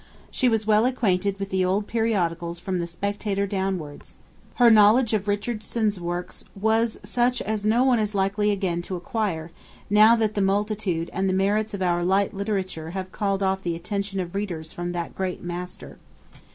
She was well acquainted with the old periodicals from the 'Spectator' downwards. Her knowledge of Richardson's works was such as no one is likely again to acquire, now that the multitude and the merits of our light literature have called off the attention of readers from that great master.